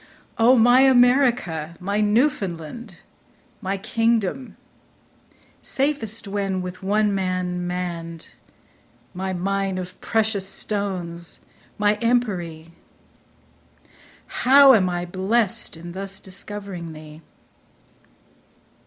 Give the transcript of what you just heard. O, my America, my Newfoundland, My kingdom, safest when with one man mann'd, My mine of precious stones, my empery ; How am I blest in thus discovering thee